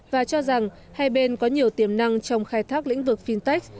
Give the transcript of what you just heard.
và cho rằng hai bên có nhiều tiềm năng trong khai thác lĩnh vực fintech